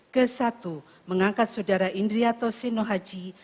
ke satu mengangkat saudara indriyato sino haji